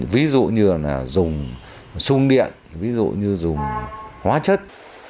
ví dụ như là dùng sung điện ví dụ như dùng hóa chất